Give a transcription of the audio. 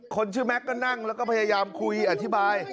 คนชื่อแม็กซก็นั่งแล้วก็พยายามคุยอธิบาย